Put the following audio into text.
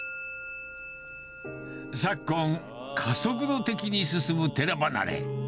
昨今、加速度的に進む寺離れ。